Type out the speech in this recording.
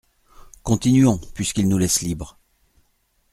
Continuons, puisqu’ils nous laissent libres.